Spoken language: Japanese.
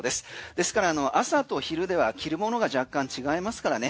ですから朝と昼では着るものが若干違いますからね。